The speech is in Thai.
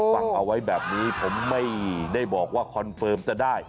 ฟังเอาไว้แบบนี้ผมไม่ได้บอกว่าคอนเฟิร์มจะได้